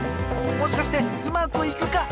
もしかしてうまくいくか！？